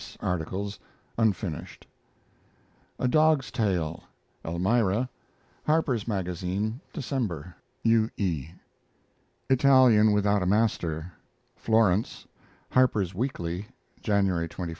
articles (unfinished). A DOG'S TALE (Elmira) Harper's Magazine, December. U. E. ITALIAN WITHOUT A MASTER (Florence) Harper's Weekly, January 21, 1904.